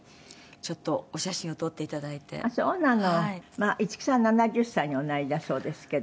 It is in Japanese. まあ五木さん７０歳におなりだそうですけど。